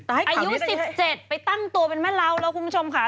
อายุ๑๗ไปตั้งตัวเป็นแม่เล้าแล้วคุณผู้ชมค่ะ